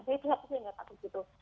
saya tuh pasti gak takut gitu